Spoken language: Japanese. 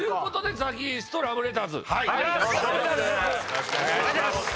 よろしくお願いします！